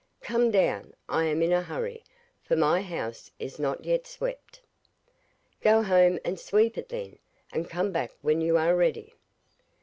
'Come down. I am in a hurry, for my house is not yet swept.' 'Go home and sweep it then, and come back when you are ready.